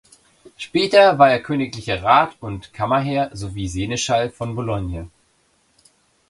Später war er königlicher Rat und Kammerherr sowie Seneschall von Boulogne.